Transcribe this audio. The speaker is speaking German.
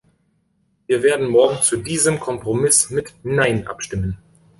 Wir werden morgen zu diesem Kompromiss mit Nein abstimmen.